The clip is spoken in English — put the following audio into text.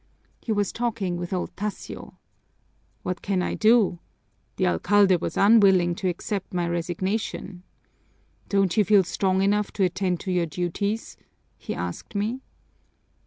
He was talking with old Tasio. "What can I do? The alcalde was unwilling to accept my resignation. 'Don't you feel strong enough to attend to your duties?' he asked me."